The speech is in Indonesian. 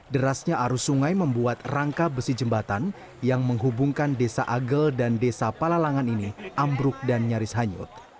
derasnya arus sungai membuat rangka besi jembatan yang menghubungkan desa agel dan desa palalangan ini ambruk dan nyaris hanyut